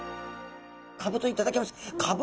かぶと頂きます。